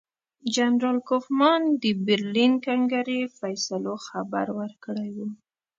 جنرال کوفمان د برلین کنګرې فیصلو خبر ورکړی وو.